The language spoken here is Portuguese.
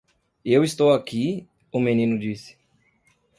"Eu estou aqui?" o menino disse.